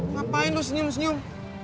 ngapain lo senyum senyum